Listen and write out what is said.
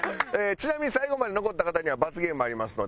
ちなみに最後まで残った方には罰ゲームありますので。